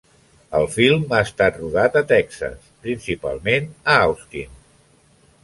El film ha estat rodat a Texas, principalment a Austin.